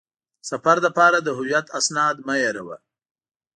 د سفر لپاره د هویت اسناد مه هېروه.